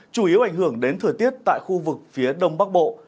chủ yếu ảnh hưởng đến thời tiết tại khu vực phía đông bắc bộ